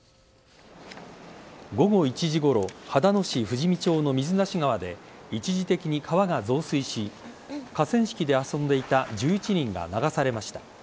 午後１時ごろ秦野市富士見町の水無川で一時的に川が増水し河川敷で遊んでいた１１人が流されました。